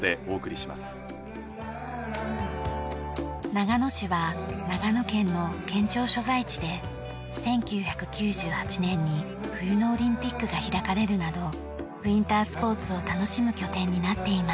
長野市は長野県の県庁所在地で１９９８年に冬のオリンピックが開かれるなどウィンタースポーツを楽しむ拠点になっています。